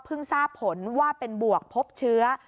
ทราบผลว่าเป็นบวกพบเชื้อ